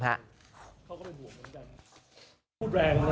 เขาก็เรียกเป็นแบบที่แบบให้พูดแรง